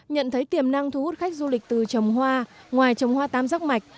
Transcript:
nhận thấy tiềm năng thu hút khách du lịch từ trồng hoa ngoài trồng hoa tam giác mạch